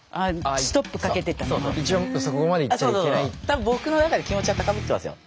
多分僕の中で気持ちは高ぶってますよ。